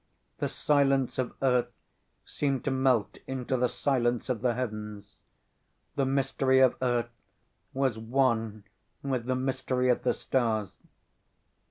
The silence of earth seemed to melt into the silence of the heavens. The mystery of earth was one with the mystery of the stars....